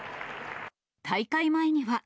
大会前には。